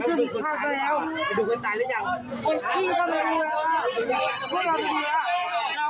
ก็จริงก็เปล่าก็ยังรับอำมาตย์กันจริง